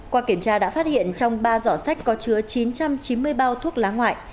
qua kiểm tra đã phát hiện trong ba dỏ sách có chứa chín trăm chín mươi bao thuốc lá ngoại